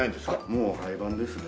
もう廃番ですね。